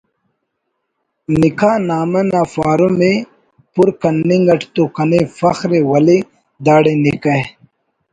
نکاح نامہ نا فارم ءِ پر کننگ اٹ تو کنے فخر ءِ ولے داڑے نکاح